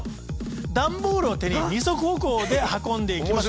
段ボールを手に二足歩行で運んでいきます。